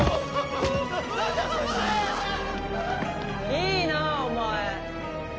いいなあお前。